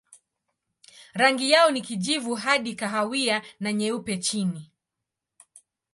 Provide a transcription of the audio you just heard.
Rangi yao ni kijivu hadi kahawia na nyeupe chini.